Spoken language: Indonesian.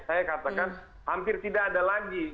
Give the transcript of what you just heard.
saya katakan hampir tidak ada lagi